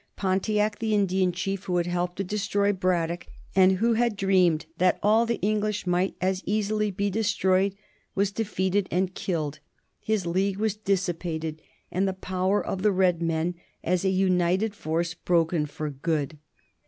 Pontiac, the Indian chief who had helped to destroy Braddock, and who had dreamed that all the English might as easily be destroyed, was defeated and killed; his league was dissipated, and the power of the red men as a united force broken for good.